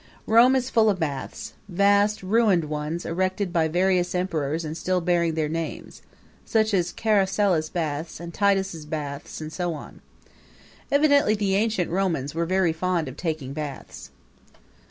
Rome is full of baths vast ruined ones erected by various emperors and still bearing their names such as Caracalla's Baths and Titus' Baths, and so on. Evidently the ancient Romans were very fond of taking baths.